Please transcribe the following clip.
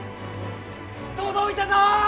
届いたぞ！